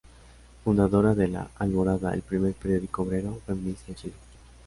Fundadora de "La Alborada", el primer periódico obrero feminista en Chile.